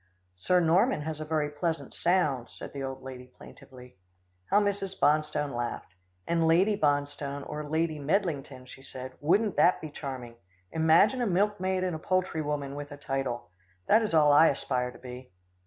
"Sir Norman has a very pleasant sound," said the old lady plaintively. How Mrs. Bonstone laughed. "And Lady Bonstone or Lady Medlington," she said "wouldn't that be charming! imagine a milkmaid and a poultry woman with a title. That is all I aspire to be."